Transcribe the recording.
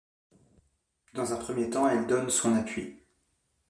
Dans un premier temps elle donne son appui.